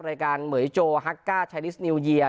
รายการเหมือนที่โจว์ฮักก้าชายลิสต์นิวเยียร์